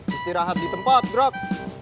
istirahat di tempat gerak